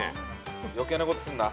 ・余計なことすんな。